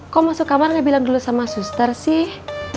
kok masuk kamar dia bilang dulu sama suster sih